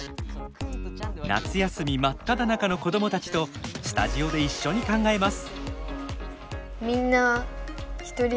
夏休み真っただ中の子供たちとスタジオで一緒に考えます。